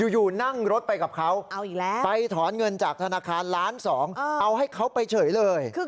อยู่นั่งรถไปกับเขาไปถอนเงินจากธนาคารล้านสองเอาให้เขาไปเฉยเลย